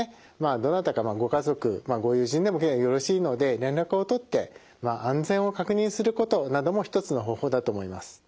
どなたかご家族ご友人でもよろしいので連絡をとって安全を確認することなども一つの方法だと思います。